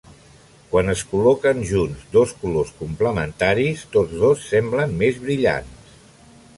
Quan es col·loquen junts dos colors complementaris, tots dos semblen més brillants.